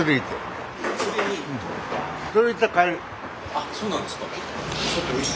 あっそうなんですか。